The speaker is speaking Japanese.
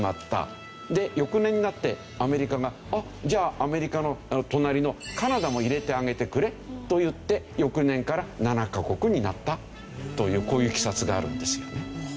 で翌年になってアメリカが「あっじゃあアメリカの隣のカナダも入れてあげてくれ」と言って翌年から７カ国になったというこういういきさつがあるんですよね。